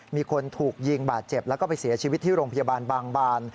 มีคนถูกยิงบาดเจ็บแล้วก็ไปเสียชีวิตที่โรงพยาบาลบางบาน